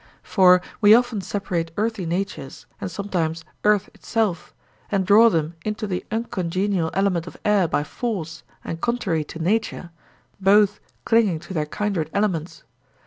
For we often separate earthy natures, and sometimes earth itself, and draw them into the uncongenial element of air by force and contrary to nature, both clinging to their kindred elements.